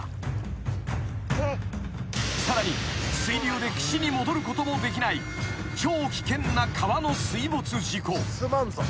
［さらに水流で岸に戻ることもできない超危険な川の水没事故］